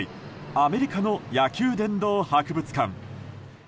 アメリカの野球殿堂博物館。